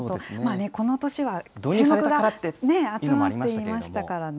この年は注目が集まっていましたからね。